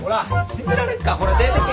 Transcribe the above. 信じられっか！ほら出てけ！